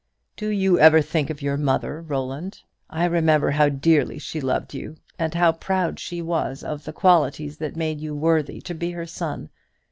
"Do you ever think of your mother, Roland? I remember how dearly she loved you, and how proud she was of the qualities that made you worthy to be her son.